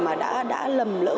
mà đã lầm lỡ